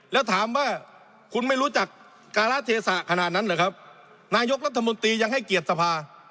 แล้วถามว่าคุณไม่รู้จักการะเทศะขนาดนั้นเหรอครับนายกรัฐมนตรียังให้เกียรติสภา